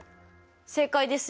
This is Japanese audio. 正解ですよ！